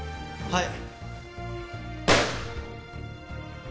はい。